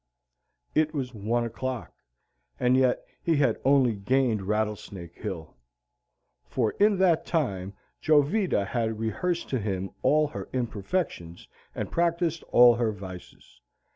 It was one o'clock, and yet he had only gained Rattlesnake Hill. For in that time Jovita had rehearsed to him all her imperfections and practised all her vices.